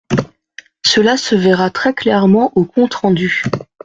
Cela se verra très clairement au compte rendu.